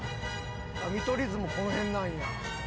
見取り図もこの辺なんや。